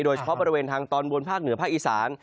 โดยเฉพาะบริเวณทางตอนบนภาคเหนือภาคอีสาน